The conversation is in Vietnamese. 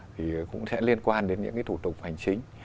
thì cũng sẽ liên quan đến những cái thủ tục hành chính